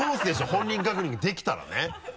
本人確認ができたらね。